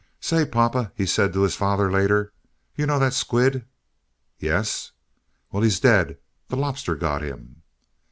"Say, papa," he said to his father, later, "you know that squid?" "Yes." "Well, he's dead. The lobster got him."